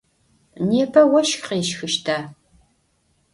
Непэ ощх къещхыщта?